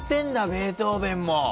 ベートーベンも。